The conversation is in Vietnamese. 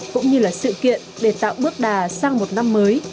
cũng như là sự kiện để tạo bước đà sang một năm mới